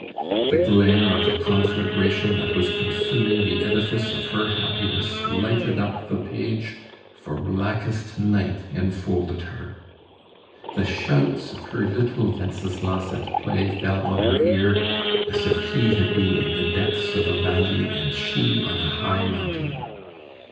The glare of the conflagration that was consuming the edifice of her happiness lighted up the page, for blackest night enfolded her. The shouts of her little Wenceslas at play fell on her ear, as if he had been in the depths of a valley and she on a high mountain.